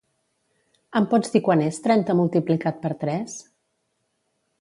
Em pots dir quant és trenta multiplicat per tres?